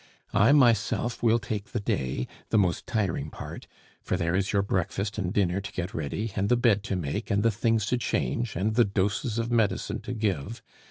I myself will take the day, the most tiring part, for there is your breakfast and dinner to get ready, and the bed to make, and the things to change, and the doses of medicine to give.